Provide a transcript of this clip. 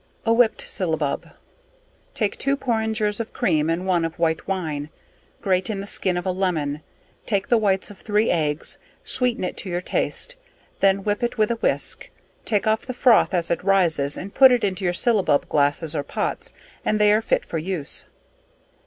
A Whipt Syllabub. Take two porringers of cream and one of white wine, grate in the skin of a lemon, take the whites of three eggs, sweeten it to your taste, then whip it with a whisk, take off the froth as it rises and put it into your syllabub glasses or pots, and they are fit for use.